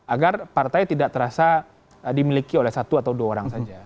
agar partai tidak terasa dimiliki oleh satu atau dua orang saja